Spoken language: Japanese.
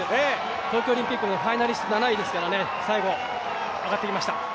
東京オリンピックのファイナリスト、７位です、最後上がってきました。